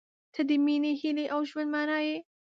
• ته د مینې، هیلې، او ژوند معنی یې.